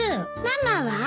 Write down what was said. ママは？